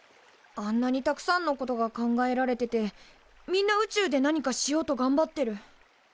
あんなにたくさんのことが考えられててみんな宇宙で何かしようと頑張ってる。